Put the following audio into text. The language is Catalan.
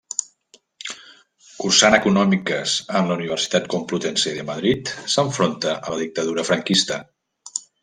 Cursant Econòmiques en la Universitat Complutense de Madrid, s'enfronta a la dictadura franquista.